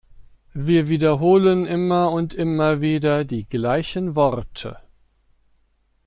Wir wiederholen immer und immer wieder die gleichen Worte.